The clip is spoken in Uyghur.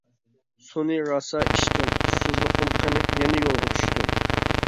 سۇنى راسا ئىچتىم، ئۇسسۇزلۇقۇم قېنىپ، يەنە يولغا چۈشتۈم.